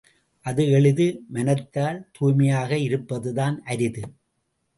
அது எளிது மனத்தால் தூய்மையாக இருப்பதுதான் அரிது.